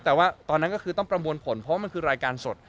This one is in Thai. แต่ว่าตอนนั้นก็คือต้องประมวลผลเพราะว่ามันคือรายการสด